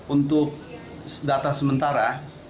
untuk data sementara